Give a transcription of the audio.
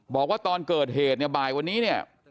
บอกว่าตอนเกิดเหตุเนี่ยบ่ายวันนี้เนี่ย